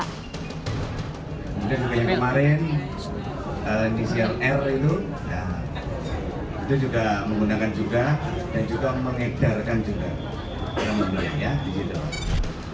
kemudian seperti yang kemarin indonesia air itu juga menggunakan juga dan juga mengedarkan juga